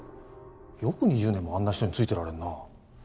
よく２０年もあんな人に付いてられるな。